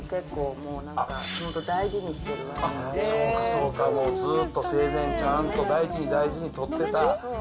そうかそうか、もうずっと生前、ちゃんと大事に大事に取ってた。